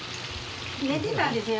寝てたんですよね。